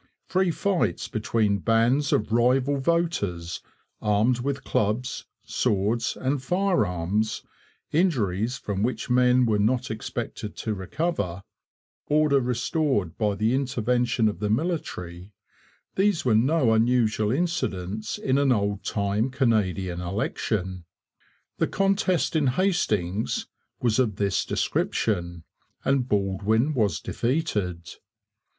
Free fights between bands of rival voters armed with clubs, swords, and firearms, injuries from which men were not expected to recover, order restored by the intervention of the military these were no unusual incidents in an old time Canadian election. The contest in Hastings was of this description, and Baldwin was defeated.